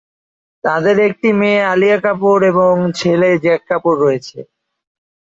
তাদের একটি মেয়ে আলিয়া কাপুর এবং ছেলে জ্যাক কাপুর রয়েছে।